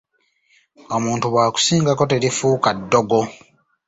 Omuntu bw’akusingako terifuuka ddogo.